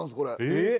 えっ！